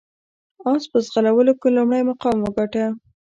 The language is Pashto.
اس په ځغلولو کې لومړی مقام وګاټه.